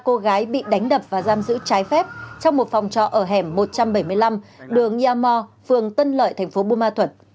cô gái bị đánh đập và giam giữ trái phép trong một phòng trọ ở hẻm một trăm bảy mươi năm đường yamo phường tân lợi thành phố bù ma thuật